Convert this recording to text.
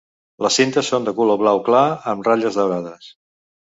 Les cintes són de color blau clar amb ratlles daurades.